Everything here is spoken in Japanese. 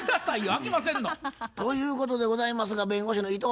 あきませんの？ということでございますが弁護士の伊藤先生